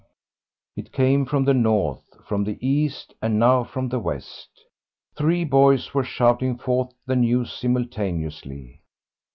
It came from the north, from the east, and now from the west. Three boys were shouting forth the news simultaneously.